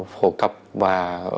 phổ cập và